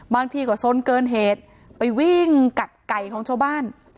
บางทีก็สนเกินเหตุไปวิ่งกัดไก่ของชาวบ้าน